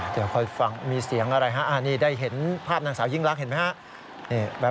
เดี๋ยวค่อยฟังมีเสียงอะไรฮะนี่ได้เห็นภาพนางสาวยิ่งรักเห็นไหมฮะ